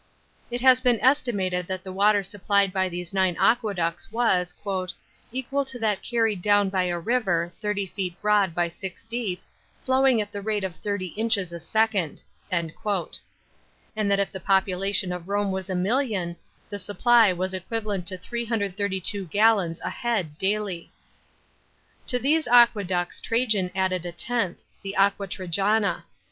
It has been estimated that the water supplied by these nine aqueducts was "equal to that carried down by a river, thirty feet broad by six deep, flowing at the rate of thirty inches a second," and that if the population of Home was a million, the supply was equivalent to 332 gallons a head daily.* To these aq ieducts Trajan added a tenth, the Aqua Trajana.